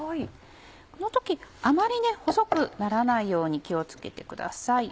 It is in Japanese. この時あまり細くならないように気を付けてください。